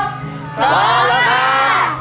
พร้อมแล้วค่ะ